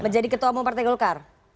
menjadi ketua umum partai golkar